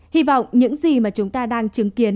hy vọng những gì mà chúng ta đang chứng kiến